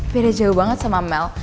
beda jauh banget sama mel